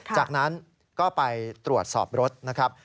จากนั้นก็ไปตรวจสอบรถนะครับ